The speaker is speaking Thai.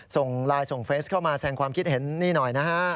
ส่งไลน์ส่งเฟสเข้ามาแสงความคิดเห็นนี่หน่อยนะฮะ